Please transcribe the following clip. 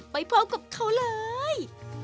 ไปพบกับเขาเลย